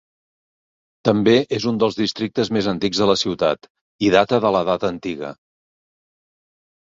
També és un dels districtes més antics de la ciutat, i data de l'edat antiga.